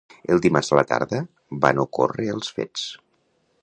El dimarts a la tarda van ocórrer els fets.